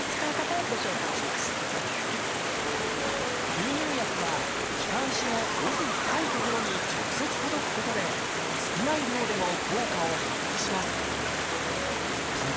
吸入薬は気管支の奥深い所に直接届くことで少ない量でも効果を発揮します。